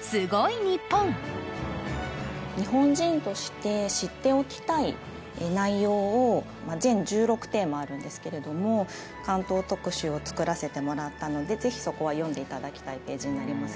すごいニッポン内容を全１６テーマあるんですけれども巻頭特集を作らせてもらったのでぜひそこは読んでいただきたいページになります